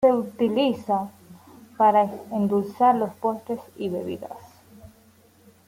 Se utiliza para endulzar postres y bebidas.